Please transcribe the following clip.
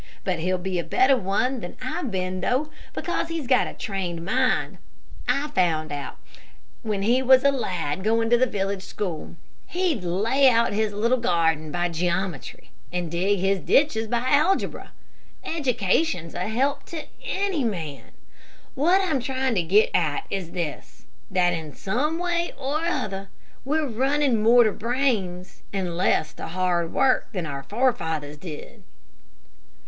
But he'll be a better one than I've been though, because he's got a trained mind. I found that out when he was a lad going to the village school. He'd lay out his little garden by geometry, and dig his ditches by algebra. Education's a help to any man. What I am trying to get at is this, that in some way or other we're running more to brains and less to hard work than our forefathers did."